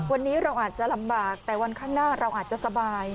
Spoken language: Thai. วันนี้เราอาจจะลำบากแต่วันข้างหน้าเราอาจจะสบาย